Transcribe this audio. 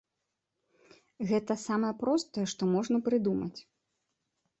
Гэта самае простае, што можна прыдумаць.